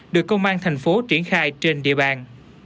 được công an thành phố triển khai trên địa bàn